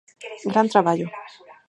Gran traballo.